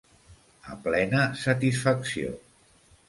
A plena satisfacció.